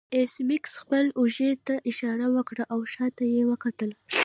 ایس میکس خپل اوږې ته اشاره وکړه او شاته یې وکتل